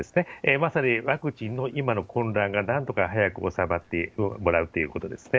まさにワクチンの今の混乱がなんとか早く収まってもらうということですね。